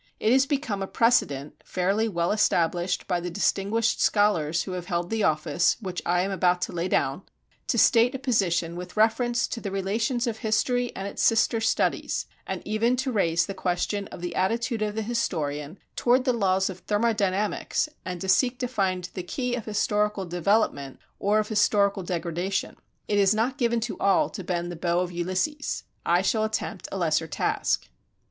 It has become a precedent, fairly well established by the distinguished scholars who have held the office which I am about to lay down, to state a position with reference to the relations of history and its sister studies, and even to raise the question of the attitude of the historian toward the laws of thermodynamics and to seek to find the key of historical development or of historical degradation. It is not given to all to bend the bow of Ulysses. I shall attempt a lesser task.